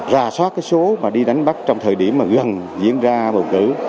rà soát số đi đánh bắt trong thời điểm gần diễn ra bầu cử